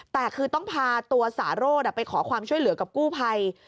แต่คือต้องพาตัวสารโรธไปขอความช่วยเหลือกับกู้ภัย